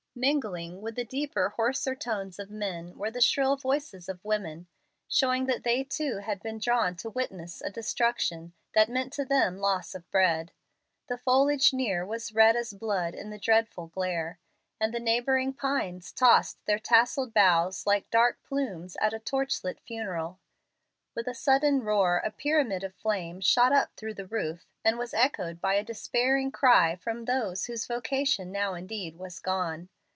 Mingling with the deeper, hoarser tones of men were the shrill voices of women, showing that they too had been drawn to witness a destruction that meant to them loss of bread. The foliage near was red as blood in the dreadful glare, and the neighboring pines tossed their tasselled boughs like dark plumes at a torch light funeral. With a sudden roar a pyramid of flame shot up through the roof, and was echoed by a despairing cry from those whose vocation now indeed was gone.